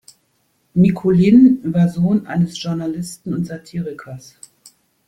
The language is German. Nikulin war Sohn eines Journalisten und Satirikers.